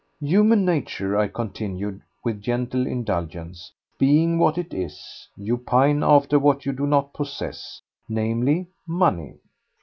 "Human nature," I continued with gentle indulgence, "being what it is, you pine after what you do not possess—namely, money.